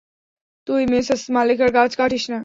তুই মিসেস মালিকার গাছ কাটিস না।